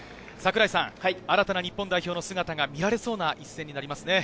櫻井さん、新たな日本代表の姿が見られそうな一戦になりますね。